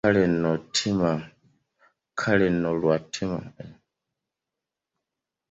Kale no lwa ttima olutwenyanyaza mu baana.